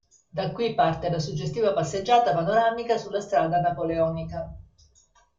Da qui parte la suggestiva passeggiata panoramica sulla strada Napoleonica.